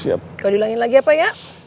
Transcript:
kalau diulangi lagi apa ya